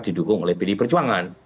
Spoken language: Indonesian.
didukung oleh pdi perjuangan